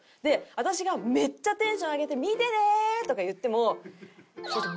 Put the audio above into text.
私がめっちゃテンション上げて「見てね！」とか言っても「すみません。